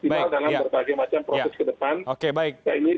berbagai daerah ncc ini